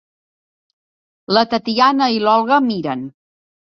La Tatyana i l'Olga miren.